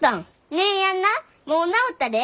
姉やんなもう治ったで。